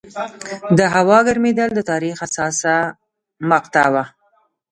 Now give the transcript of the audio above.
د هوا ګرمېدل د تاریخ حساسه مقطعه وه.